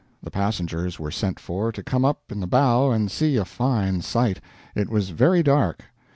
The passengers were sent for, to come up in the bow and see a fine sight. It was very dark.